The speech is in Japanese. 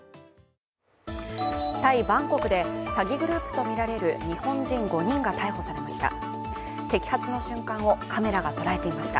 タイ・バンコクで詐欺グループとみられる日本人５人が逮捕されました。